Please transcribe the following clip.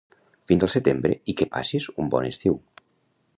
Fins al setembre i que passis un bon estiu.